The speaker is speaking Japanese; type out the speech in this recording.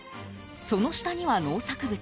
その下には農作物。